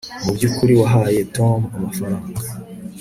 mubyukuri wahaye tom amafaranga